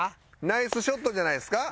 ナイスショットじゃないですか。